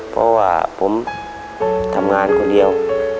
เพราะว่าผมทำงานคนเดียว